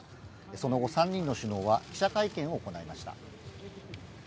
その後、３人の首脳は、記者会見を行いました。